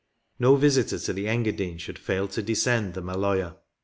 No visitor to the Engadine should fail to descend the Maloja.